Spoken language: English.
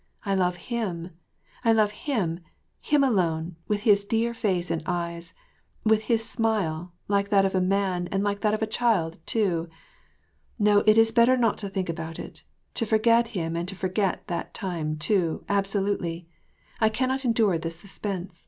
I love him. I love him, him alone, with his dear face and eyes, with his smile, like that of a man and like that of a child too. — No, it is better not to think about it, to forget him, and to forget that time, too, absolutely. I cannot endure this suspense.